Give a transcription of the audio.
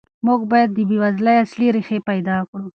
موږ باید د بېوزلۍ اصلي ریښې پیدا کړو.